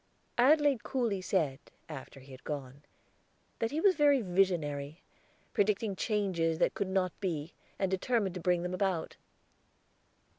Adelaide coolly said, after he had gone, that he was very visionary, predicting changes that could not be, and determined to bring them about.